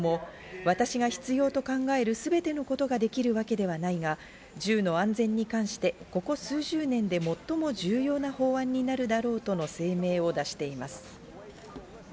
バイデン大統領も私が必要と考えるすべてのことができるわけではないが、銃の安全に関してここ数十年で最も重要な法案になるだろうとの声明を出しています。